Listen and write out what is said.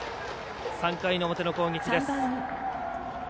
３回の表の攻撃です。